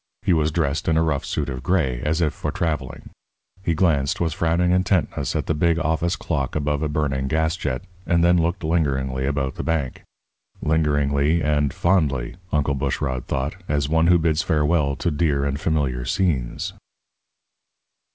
He was dressed in a rough suit of gray, as if for travelling. He glanced with frowning intentness at the big office clock above the burning gas jet, and then looked lingeringly about the bank lingeringly and fondly, Uncle Bushrod thought, as one who bids farewell to dear and familiar scenes.